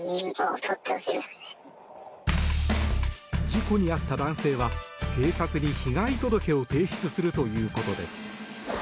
事故に遭った男性は警察に被害届を提出するということです。